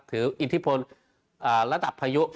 อิทธิพลระดับพายุ